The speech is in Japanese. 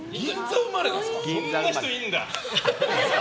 そんな人いるんだ！